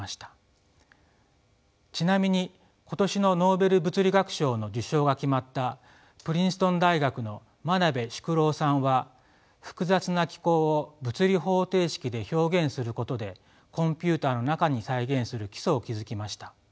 ちなみに今年のノーベル物理学賞の受賞が決まったプリンストン大学の眞鍋淑郎さんは複雑な気候を物理方程式で表現することでコンピューターの中に再現する基礎を築きました。